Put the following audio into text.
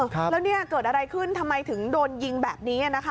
แล้วเกิดอะไรขึ้นทำไมถึงโดนยิงแบบนี้